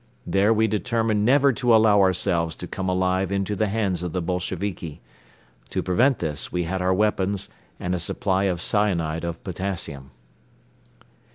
There we determined never to allow ourselves to come alive into the hands of the Boisheviki. To prevent this we had our weapons and a supply of cyanide of potassium.